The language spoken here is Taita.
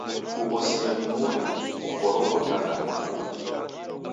Kughosia ni muw'i kukoroghotana na uvu.